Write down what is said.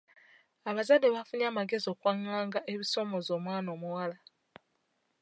Abazadde bafunye amagezi okwanganga ebisoomooza omwana omuwala.